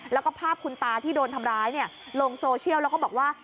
แล้วก็ภาพคุณตาที่โดนทำร้ายลงโซเชียลแล้วก็บอกว่า